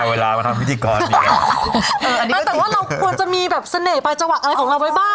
เอาเวลามาทำพิธีกรเนี้ยเออแต่ว่าเราควรจะมีแบบเสน่ห์ปลายจังหวัดอะไรของเราไว้บ้าง